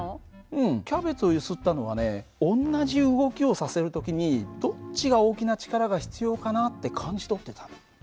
うんキャベツを揺すったのはね同じ動きをさせる時にどっちが大きな力が必要かなって感じ取ってたの。